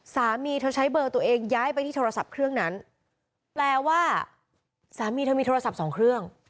สามีเธอใช้เบอร์ตัวเองย้ายไปที่โทรศัพท์เครื่องนั้นแปลว่าสามีเธอมีโทรศัพท์สองเครื่อง